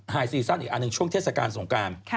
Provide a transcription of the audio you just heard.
หายสี่สั้นอีกอันหนึ่งช่วงเทศกาลสงกราม